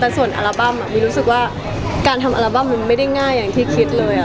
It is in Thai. แต่ส่วนอัลบั้มมีรู้สึกว่าการทำอัลบั้มมันไม่ได้ง่ายอย่างที่คิดเลย